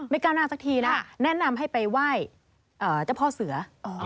ก้าวหน้าสักทีนะแนะนำให้ไปไหว้เจ้าพ่อเสือ